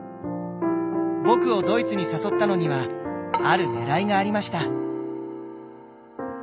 僕をドイツに誘ったのにはあるねらいがありました。